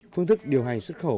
phương thức điều hành xuất khẩu